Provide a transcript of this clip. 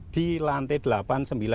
di lantai delapan sembilan